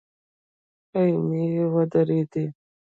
خيمې ودرېدې.